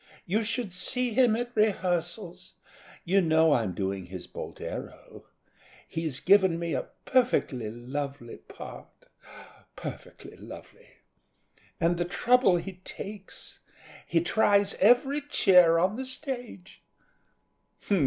You should see him at rehearsals. You know I'm doing his 'Boldero'; he's given me a perfectly lovely part perfectly lovely. And the trouble he takes. He tries every chair on the stage."